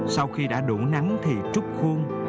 sau khi đã đủ nắng thì trút khuôn